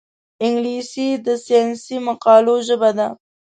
انګلیسي د ساینسي مقالو ژبه ده